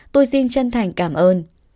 tôi xin chân thành cảm ơn